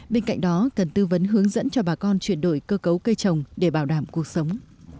bên cạnh đó cần tư vấn hướng dẫn cho bà con chuyển đổi cơ cấu cây trồng để bảo đảm cuộc sống